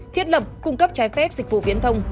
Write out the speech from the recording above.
thiết lập cung cấp trái phép dịch vụ viễn thông